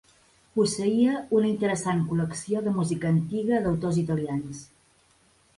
Posseïa una interessant col·lecció de música antiga d'autors italians.